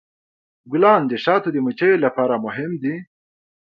ګلان د شاتو د مچیو لپاره مهم دي.